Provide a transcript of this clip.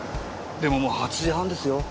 でももう８時半ですよ？